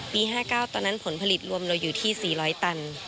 ๕๙ตอนนั้นผลผลิตรวมเราอยู่ที่๔๐๐ตัน